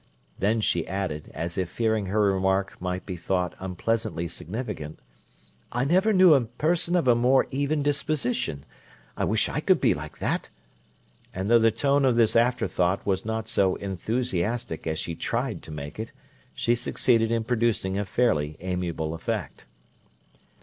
Then she added, as if fearing her remark might be thought unpleasantly significant, "I never knew a person of a more even disposition. I wish I could be like that!" And though the tone of this afterthought was not so enthusiastic as she tried to make it, she succeeded in producing a fairly amiable effect.